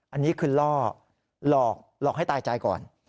อันนี้คือลอกลอกลอกให้ตายจ่ายก่อน